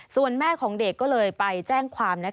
ส่วนแม่ของเด็กก็เลยไปแจ้งความ